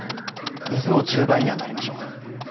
伊豆の１０倍にはなりましょう。